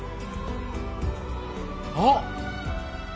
あっ！